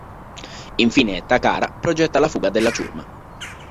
Infine Takara progetta la fuga della ciurma.